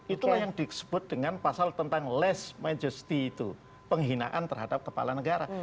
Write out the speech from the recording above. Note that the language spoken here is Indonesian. itulah yang disebut dengan pasal tentang less majosty itu penghinaan terhadap kepala negara